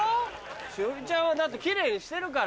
栞里ちゃんはだってキレイにしてるから。